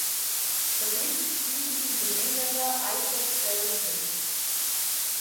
Das Mixed spielte sie mit dem Engländer Isaak Dalglish.